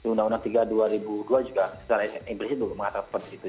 undang undang tiga dua ribu dua juga secara impresif mengatakan seperti itu